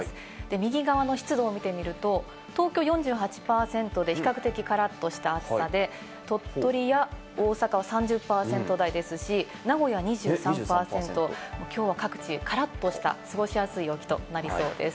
右側の湿度を見てみると、東京４８％で比較的からっとした暑さで鳥取や大阪は３０％台ですし、名古屋２３％、きょうは各地、からっとした過ごしやすい陽気となりそうです。